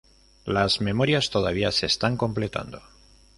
Las memorias todavía se están completando.